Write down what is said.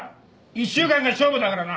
１週間が勝負だからな。